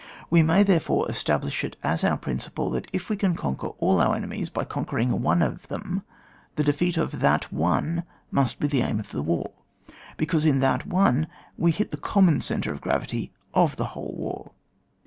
We may, therefore, establish it as a principle, that if we can conquer all our enemies by conquering one of them, the defeat of that one must be the aim of the war, because in that one we hit the com mon centre of gravity of the whole war.